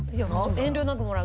遠慮なくもらう。